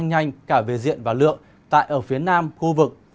tăng nhanh cả về diện và lượng tại ở phía nam khu vực